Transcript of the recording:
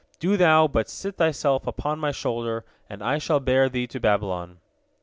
Do thou but sit thyself upon my shoulder, and I shall bear thee to Babylon."